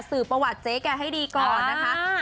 สื่อประวัติแจ๊ก่อนนะคะ